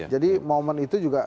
jadi momen itu juga